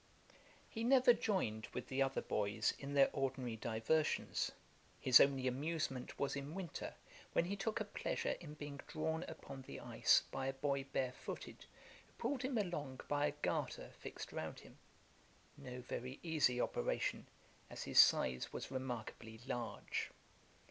He never joined with the other boys in their ordinary diversions: his only amusement was in winter, when he took a pleasure in being drawn upon the ice by a boy barefooted, who pulled him along by a garter fixed round him; no very easy operation, as his size was remarkably large.